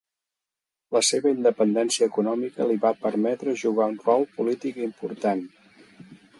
La seva independència econòmica li va permetre jugar un rol polític important.